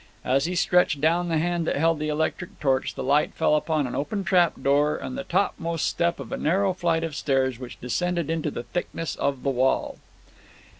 As he stretched down the hand that held the electric torch, the light fell upon an open trap door and the topmost step of a narrow flight of stairs, which descended into the thickness of the wall.